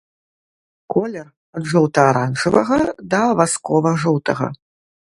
Колер ад жоўта-аранжавага да васкова-жоўтага.